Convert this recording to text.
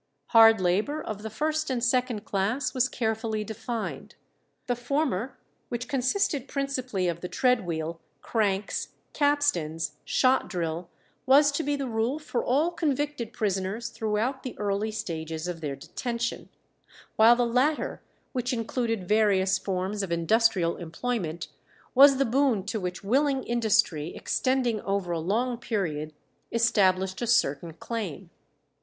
Hard labour of the first and second class was carefully defined. The former, which consisted principally of the tread wheel, cranks, capstans, shot drill, was to be the rule for all convicted prisoners throughout the early stages of their detention; while the latter, which included various forms of industrial employment, was the boon to which willing industry extending over a long period established a certain claim.